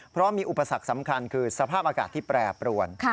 เพราะมีอุปสรรคสำคัญคือสภาพอากาศที่แปรปรวน